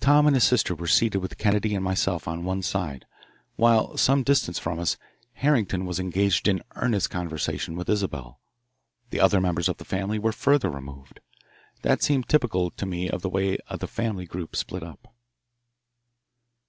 Tom and his sister were seated with Kennedy and myself on one side, while some distance from us Harrington was engaged in earnest conversation with Isabelle. The other members of the family were further removed. That seemed typical to me of the way the family group split up.